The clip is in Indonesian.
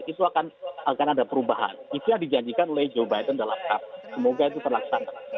itu akan ada perubahan itu yang dijanjikan oleh joe biden dalam semoga itu terlaksana